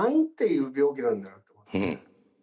いう病気なんだろうと思って。